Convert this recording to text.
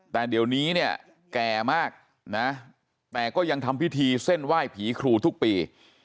แต่เดี๋ยวนี้เนี่ยแก่มากนะแต่ก็ยังทำพิธีเส้นไหว้ผีครูทุกปี